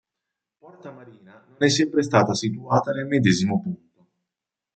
Porta Marina non è sempre stata situata nel medesimo punto.